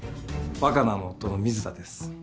若菜の夫の水田です。